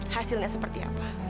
hasilnya seperti apa